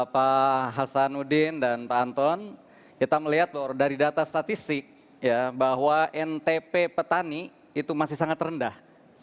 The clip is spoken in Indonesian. pak hasanuddin dan pak anton kita melihat dari data statistik bahwa ntp petani itu masih sangat rendah